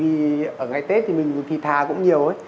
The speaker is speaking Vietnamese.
thì ở ngày tết thì mình thịt thà cũng nhiều ấy